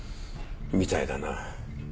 みたいだな。